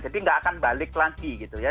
jadi nggak akan balik lagi gitu ya